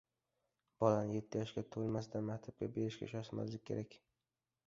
"Bolani yetti yoshga to‘lmasdan maktabga berishga shoshmaslik kerak"